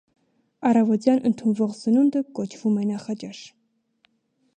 Առավոտյան ընդունվող սնունդը կոչվում է նախաճաշ։